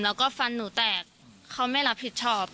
แล้วก็ฟันหนูแตกเขาไม่รับผิดชอบ